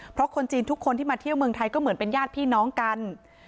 เพราะคนจีนทุกคนที่มาเที่ยวเมืองไทยก็เหมือนเป็นญาติพี่น้องกัน